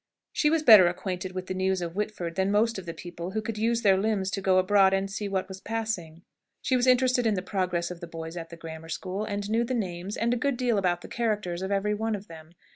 She was better acquainted with the news of Whitford than most of the people who could use their limbs to go abroad and see what was passing. She was interested in the progress of the boys at the grammar school, and knew the names, and a good deal about the characters, of every one of them.